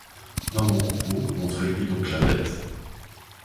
Maman Coupeau, montrez-lui donc la bête.